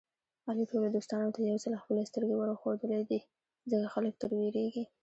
علي ټولو دوستانو ته یوځل خپلې سترګې ورښودلې دي. ځکه خلک تر وېرېږي.